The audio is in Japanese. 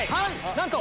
なんと！